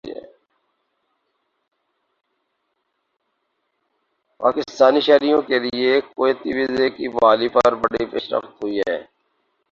پاکستانی شہریوں کے لیے کویتی ویزے کی بحالی پر بڑی پیش رفت ہوئی ہےا